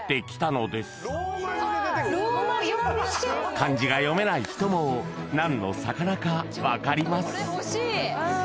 漢字が読めない人も何の魚かわかります